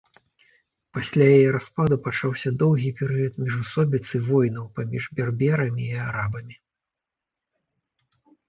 Пасля яе распаду пачаўся доўгі перыяд міжусобіц і войнаў паміж берберамі і арабамі.